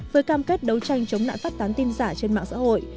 với cam kết đấu tranh chống nạn phát tán tin giả trên mạng xã hội